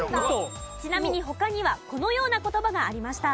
ちなみに他にはこのような言葉がありました。